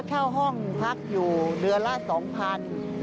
เช่าห้องพักอยู่เดือนละ๒๐๐บาท